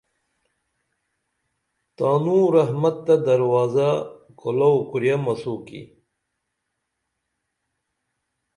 تانوں رحمت تہ دروازہ کولو کُریہ مسوکی